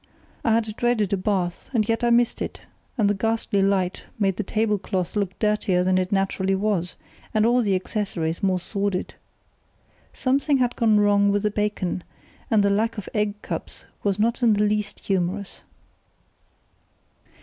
I had dreaded a bathe, and yet missed it, and the ghastly light made the tablecloth look dirtier than it naturally was, and all the accessories more sordid. Something had gone wrong with the bacon, and the lack of egg cups was not in the least humorous.